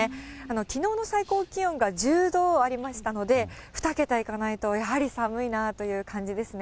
きのうの最高気温が１０度ありましたので、２桁いかないとやはり寒いなという感じですね。